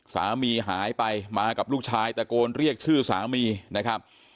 สามีหายไปมากับลูกชายตะโกนเรียกชื่อสามีนะครับ